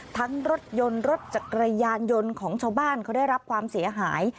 รถยนต์รถจักรยานยนต์ของชาวบ้านเขาได้รับความเสียหาย